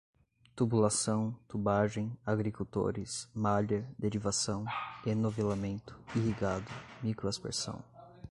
tubulação, tubagem, agricultores, malha, derivação, enovelamento, irrigado, microaspersão